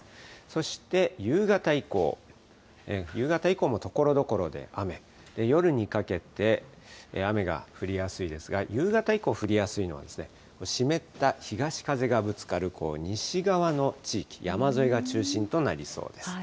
そして夕方以降、夕方以降もところどころで雨、夜にかけて雨が降りやすいですが、夕方以降降りやすいのは、湿った東風がぶつかる西側の地域、山沿いが中心となりそうです。